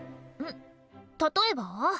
例えば？